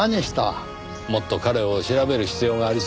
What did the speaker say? もっと彼を調べる必要がありそうですねぇ。